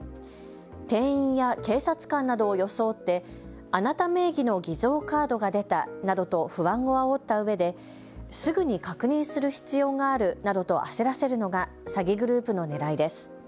店員や警察官などを装ってあなた名義の偽造カードが出たなどと不安をあおったうえですぐに確認する必要があるなどと焦らせるのが詐欺グループのねらいです。